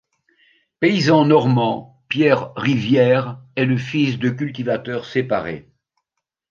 Paysan normand, Pierre Rivière est le fils de cultivateurs séparés.